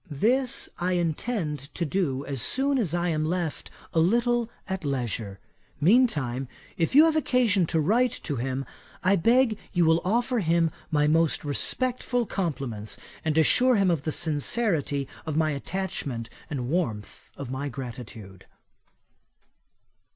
This I intend to do, as soon as I am left a little at leisure. Mean time, if you have occasion to write to him, I beg you will offer him my most respectful compliments, and assure him of the sincerity of my attachment and the warmth of my gratitude."